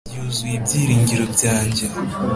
byuzuye ibyiringiro byanjye